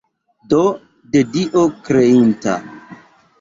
Do, de Dio kreinta!